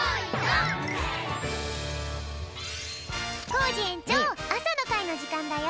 コージえんちょうあさのかいのじかんだよ。